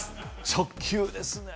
直球ですね